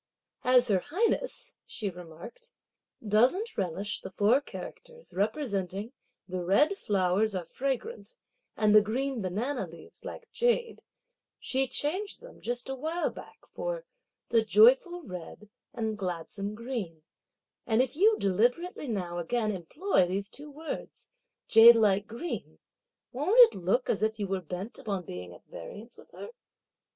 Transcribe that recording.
"As her highness," she remarked, "doesn't relish the four characters, representing the red (flowers are) fragrant, and the green (banana leaves) like jade, she changed them, just a while back, for 'the joyful red and gladsome green;' and if you deliberately now again employ these two words 'jade like green,' won't it look as if you were bent upon being at variance with her?